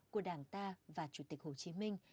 của đảng ta và chủ tịch hồ chí minh